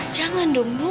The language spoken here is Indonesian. jangan dong bu